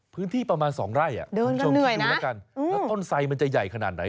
พื้นที่ประมาณสองไร่แล้วต้นไสมันจะใหญ่ขนาดไหน